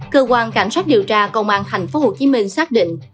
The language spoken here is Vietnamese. cơ quan cảnh sát điều tra công an thành phố hồ chí minh xác định